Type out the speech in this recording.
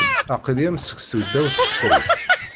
Aql-i am seksu ddaw texsayt.